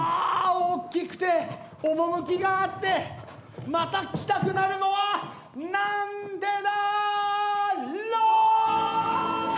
大きくて趣があってまた来たくなるのはなんでだろう！